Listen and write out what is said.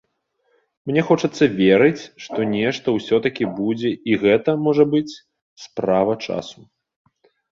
Мне хочацца верыць, што нешта ўсё-такі будзе і гэта, можа быць, справа часу.